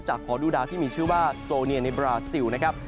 ขอดูดาวที่มีชื่อว่าโซเนียในบราซิลนะครับ